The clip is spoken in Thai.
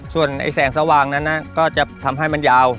ส่วนแสงสว่างนั้นก็จะทำให้มันยาว